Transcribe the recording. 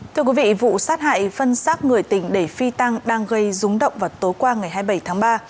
thưa quý vị vụ sát hại phân xác người tỉnh để phi tăng đang gây rúng động vào tối qua ngày hai mươi bảy tháng ba